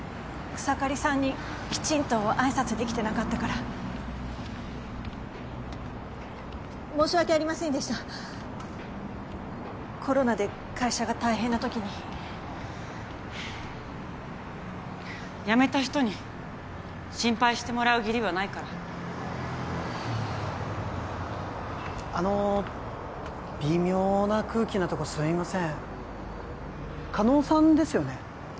草刈さんにきちんと挨拶できてなかったから申し訳ありませんでしたコロナで会社が大変な時に辞めた人に心配してもらう義理はないからあの微妙な空気なとこすいません叶さんですよね？